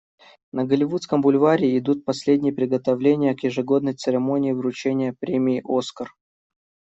На Голливудском бульваре идут последние приготовления к ежегодной церемонии вручения премии «Оскар».